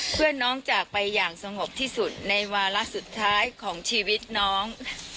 เพื่อนน้องจากไปอย่างสงบที่สุดในวาระสุดท้ายของชีวิตน้อง